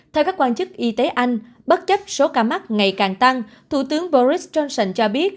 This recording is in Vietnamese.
theo các quan chức y tế anh bất chấp số ca mắc ngày càng tăng thủ tướng boris johnson cho biết